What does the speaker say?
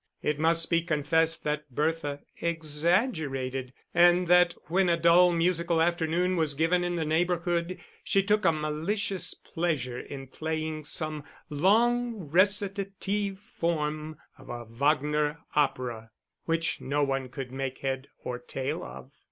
It must be confessed that Bertha exaggerated, and that when a dull musical afternoon was given in the neighbourhood, she took a malicious pleasure in playing some long recitative form of a Wagner opera, which no one could make head or tail of.